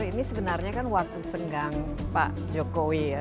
ini sebenarnya kan waktu senggang pak jokowi ya